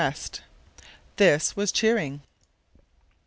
This was cheering.